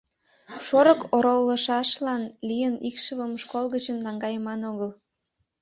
Шорык оролышашлан лийын икшывым школ гычын наҥгайыман огыл.